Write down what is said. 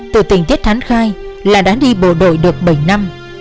từ tình tiết thán khai là đã đi bộ đội được bảy năm